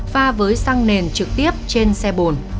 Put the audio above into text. pha với xăng nền trực tiếp trên xe bồn